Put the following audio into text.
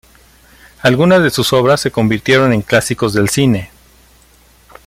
Algunas de sus obras se convirtieron en clásicos del cine.